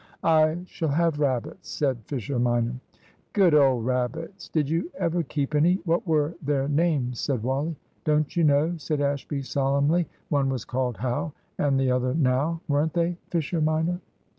"I shall have rabbits," said Fisher minor. "Good old rabbits! Did you ever keep any? What were their names?" said Wally. "Don't you know?" said Ashby, solemnly. "One was called `How' and the other `Now,' weren't they, Fisher minor?"